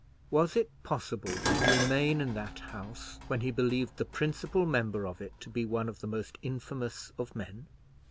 Was it possible to remain in that house when he believed the principal member of it to be one of the most infamous of men?